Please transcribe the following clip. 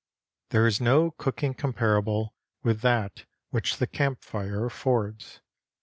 There is no cooking comparable with that which the camp fire affords.